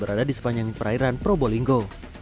berada di sepanjang perairan probolinggo